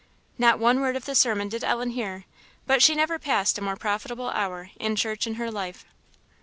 Not one word of the sermon did Ellen hear; but she never passed a more profitable hour in church in her life.